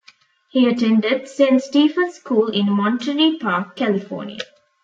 He attended Saint Stephens School in Monterey Park, California.